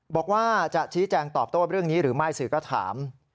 บอกว่าจะชี้แจงตอบโต้เรื่องนี้หรือไม่สื่อก็ถาม